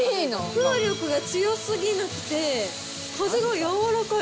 風力が強すぎなくて、風が柔らかい。